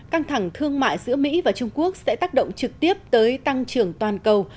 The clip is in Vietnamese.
căng thẳng thương mại giữa mỹ và trung quốc sẽ tác động trực tiếp tới tăng trưởng toàn cầu